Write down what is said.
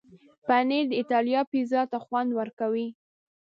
پنېر د ایټالیا پیزا ته خوند ورکوي.